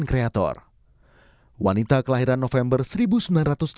sebagai penyanyi helena lim juga dikenal sebagai penyanyi penyanyi penyanyi penyanyi penyanyi